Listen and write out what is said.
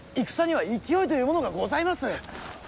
戦には勢いというものがございます。